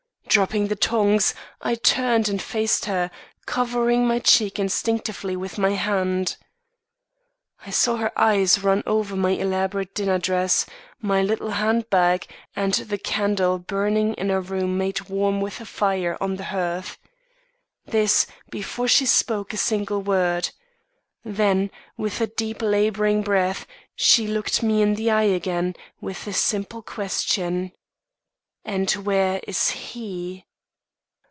Dropping the tongs, I turned and faced her, covering my cheek instinctively with my hand. "I saw her eyes run over my elaborate dinner dress my little hand bag, and the candle burning in a room made warm with a fire on the hearth. This, before she spoke a single word. Then, with a deep labouring breath, she looked me in the eye again, with the simple question: "'And where is he?